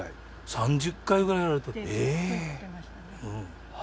３０回ぐらいやられたって。